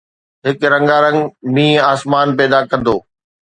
هي هڪ رنگارنگ مينهن آسمان پيدا ڪندو